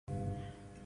No audio.